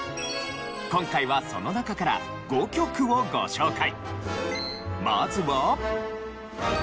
今回はその中から５曲をご紹介。